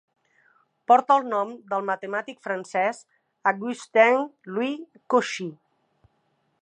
Porta el nom del matemàtic francès, Augustin Louis Cauchy.